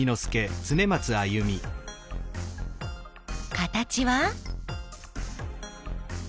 形は？